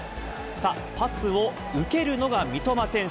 パスを受けるのが三笘選手。